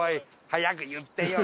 「早く言ってよ！」。